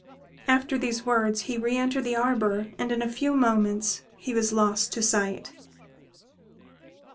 After these words, he re entered the arbour, and in a few moments he was lost to sight.